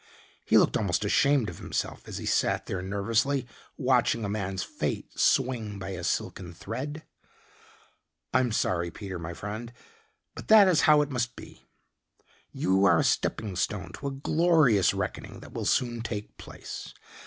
He looked almost ashamed of himself as he sat there nervously watching a man's fate swing by a silken thread. "I'm sorry, Peter, my friend, but that is how it must be. You are a stepping stone to a glorious reckoning that will soon take place.